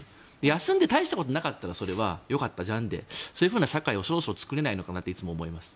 休んで大したことなかったらそれはよかったじゃんってそういうふうな社会をそろそろ作れないのかなといつも思います。